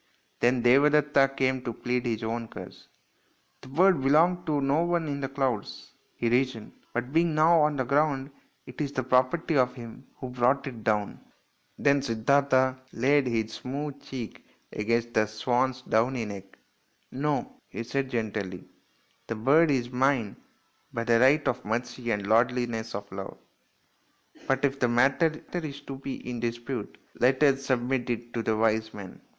Then Devadetta came to plead his own cause. " The bird belonged to no one in the clouds," he reasoned, " but being now on the ground it is the property of him who brought it down." Then Siddartha laid his smooth cheek against the swan's downy neck. " No," he said gently, " the bird is mine by right of mercy and the lordliness of love ; but if the matter is to be in dispute let us submit it to the wise men."